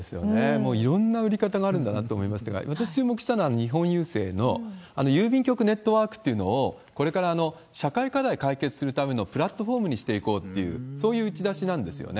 もういろんな売り方があるんだなと思いましたが、私注目したのは、日本郵政の、郵便局ネットワークっていうのを、これから社会課題を解決するためのプラットフォームにしていこうっていう、そういう打ち出しなんですよね。